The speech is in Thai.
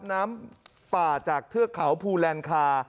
น้ำป่าจากเทือกเขาภูแลนคา